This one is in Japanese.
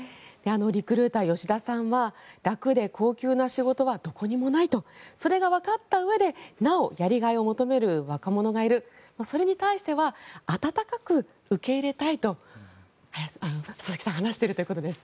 リクルーター、吉田さんは楽で高給な仕事はどこにもないとそれがわかったうえでなおやりがいを求める若者がいるそれに対しては温かく受け入れたいと佐々木さん話しているということです。